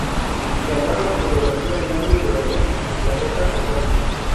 La cámara fotografía el ángulo de la luz infrarroja entrante.